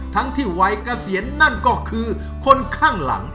ทั้งที่วัยเกษียณนั่นก็คือคนข้างหลัง